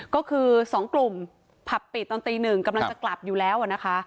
ก็คือ๒กลุ่มผับปิดตอนตีหนึ่งกำลังจะกลับอยู่แล้วนะคะ